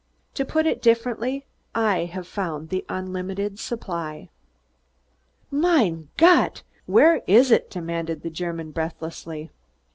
To put it differently, I have found the unlimited supply." "Mein Gott, vere iss id?" demanded the German breathlessly.